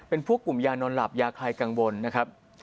เป็นพวกกลุ่มยานอนหลับยาใครกังวลนะครับ